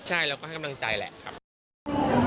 ใช่เราก็ให้กำลังใจแหละครับ